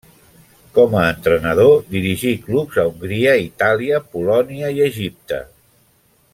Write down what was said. Com a entrenador, dirigí clubs a Hongria, Itàlia, Polònia i Egipte.